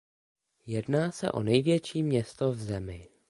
Jedná se o největší město v zemi.